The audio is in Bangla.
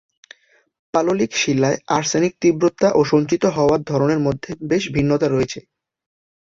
পাললিক শিলায় আর্সেনিকের তীব্রতা ও সঞ্চিত হওয়ার ধরনের মধ্যে বেশ ভিন্নতা রয়েছে।